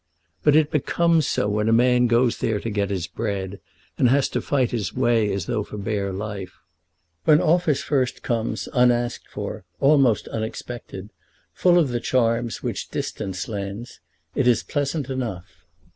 But it becomes so when a man goes there to get his bread, and has to fight his way as though for bare life. When office first comes, unasked for, almost unexpected, full of the charms which distance lends, it is pleasant enough.